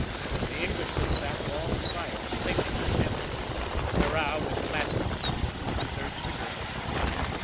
The Englishman sat long silent, thinking intently. Kāra was placidly smoking his third cigarette.